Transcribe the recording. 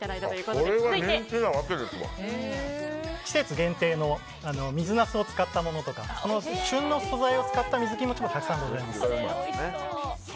季節限定の水ナスを使ったものとか旬な素材を使った水キムチもたくさんございます。